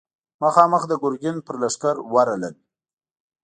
مخامخ د ګرګين پر لښکر ورغلل.